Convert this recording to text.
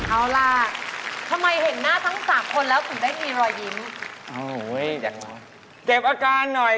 เอาล่ะทำไมเห็นหน้าทั้ง๓คนแล้วคุณได้มีรอยยิ้ม